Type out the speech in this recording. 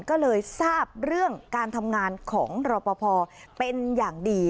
ก็เลยทราบเรื่องการทำงานของรอปภเป็นอย่างดี